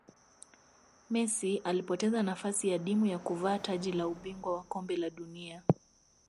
messi alipoteza nafasi adimu ya kuvaa taji la ubingwa wa kombe la dunia